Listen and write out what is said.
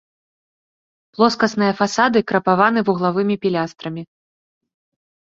Плоскасныя фасады крапаваны вуглавымі пілястрамі.